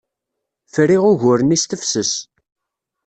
Friɣ ugur-nni s tefses.